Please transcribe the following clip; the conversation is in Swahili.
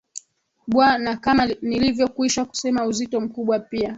bwa na kama nilivyo kwisha kusema uzito mkubwa pia